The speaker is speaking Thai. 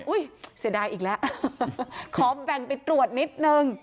เสียดายอีกแล้วขอแบ่งไปตรวจนิดนึง